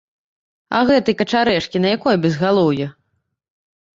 А гэты качарэжкі на якое безгалоўе?